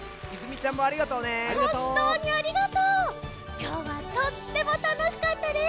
きょうはとってもたのしかったです。